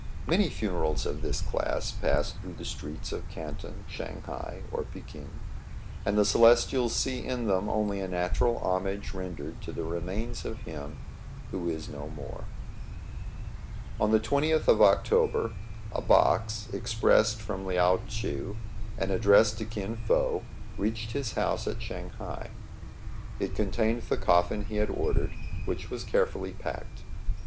Many funerals of this class pass through the streets of Canton, Shang hai, or Fekin ; and the Celestials see in them only a natural hom age rendered to the remains of him who is no more. On the 20th of October a box, expressed from IVAVS AND CUSTOMS OF THE CHINESE. 75 Liao Tcheou and addressed to Kin Fo, reached his house at Shang hai. It contained the coffin he had ordered, which was carefully packed.